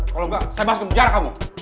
kalau enggak saya bahas kemujar kamu